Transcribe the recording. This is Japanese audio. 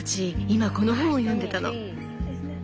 今この本を読んでたの。